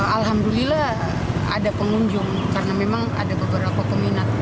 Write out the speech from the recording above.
alhamdulillah ada pengunjung karena memang ada beberapa peminat